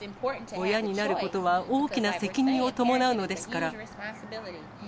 親になることは、大きな責任を伴うのですから。